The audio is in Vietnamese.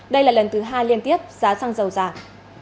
đây là lần thứ hai liên tiếp giá xăng dầu giảm